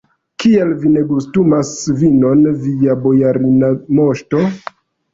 Kial vi ne gustumas vinon, via bojarina moŝto?